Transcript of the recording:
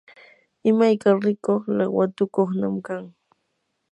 imayka rikuq laqatukunam kan.